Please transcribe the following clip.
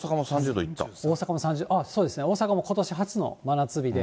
大阪も３０、ああ、そうですね、大阪もことし初の真夏日で。